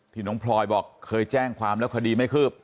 น้องพลอยบอกเคยแจ้งความแล้วคดีไม่คืบ